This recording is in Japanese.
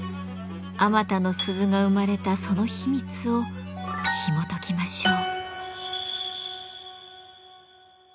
あまたの鈴が生まれたその秘密をひもときましょう。